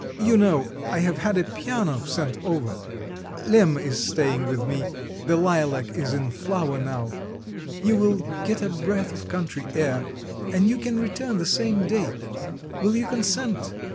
You know, I have had a piano sent over; Lemm is staying with me; the lilac is in flower now; you will get a breath of country air, and you can return the same day will you consent?"